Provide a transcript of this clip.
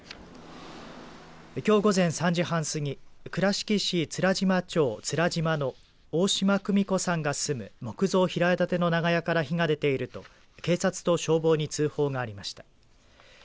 きょう午前３時半過ぎ倉敷市連島町連島の大嶋久美子さんが住む木造平屋建ての長屋から火が出ていると警察と消防に通報がありました。